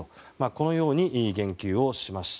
このように言及をしました。